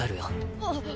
あっ。